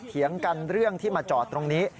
เถียงกันเรื่องที่มาจอดตรงนี้